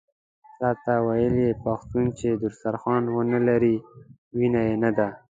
راته ویل یې پښتون چې دسترخوان ونه لري وینه یې نده.